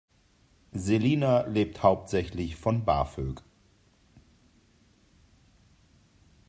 Selina lebt hauptsächlich von BAföG.